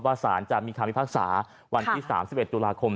สารจะมีคำพิพากษาวันที่๓๑ตุลาคม